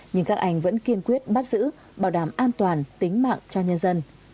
nhưng các anh vẫn kiên quyết bắt giữ bảo đảm an toàn tính mạng cho nhân dân